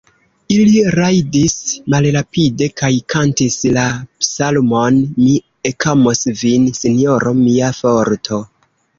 Ili rajdis malrapide kaj kantis la psalmon: "Mi ekamos Vin, Sinjoro, mia Forto!"